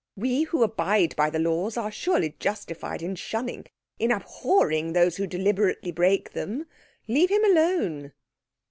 We who abide by the laws are surely justified in shunning, in abhorring, those who deliberately break them. Leave him alone."